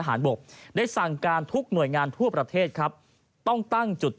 บินไทยบินไทยสุวารีโคศกคณะรักษาความสมบัติแห่งชาติ